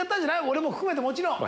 俺も含めてもちろん。